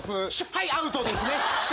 はいアウトですね。